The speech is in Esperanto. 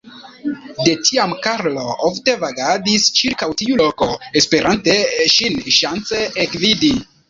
De tiam Karlo ofte vagadis ĉirkaŭ tiu loko, esperante ŝin ŝance ekvidi.